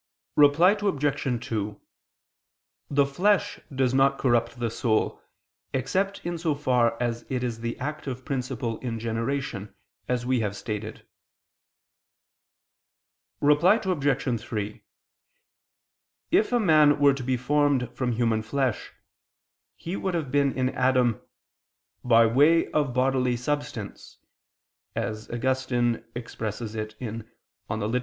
Reply Obj. 2: The flesh does not corrupt the soul, except in so far as it is the active principle in generation, as we have stated. Reply Obj. 3: If a man were to be formed from human flesh, he would have been in Adam, "by way of bodily substance" [*The expression is St. Augustine's (Gen. ad lit. x).